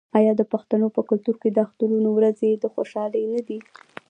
آیا د پښتنو په کلتور کې د اخترونو ورځې د خوشحالۍ نه دي؟